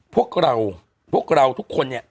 พวกเราทุกคน